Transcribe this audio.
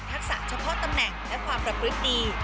ทักษะเฉพาะตำแหน่งและความประพฤติดี